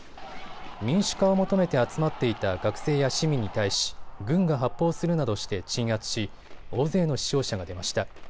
民主化を求めて集まっていた学生や市民に対し軍が発砲するなどして鎮圧し大勢の死傷者が出ました。